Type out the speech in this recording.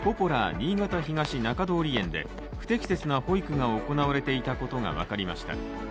新潟東中通園で不適切な保育が行われていたことが分かりました。